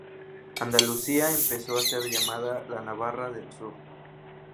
Andalucia empezó a ser llamada "la Navarra del Sur".